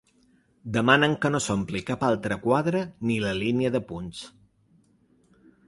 Demanen que no s’ompli cap altre quadre ni la línia de punts.